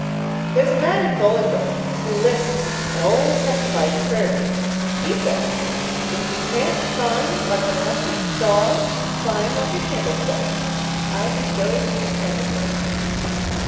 There is a man in Bolingbroke who lisps and always testifies in prayer meeting. He says, 'If you can't thine like an electric thtar thine like a candlethtick.' I'll be Jo's little candlestick."